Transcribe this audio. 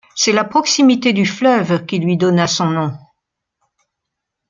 C'est la proximité du fleuve qui lui donna son nom.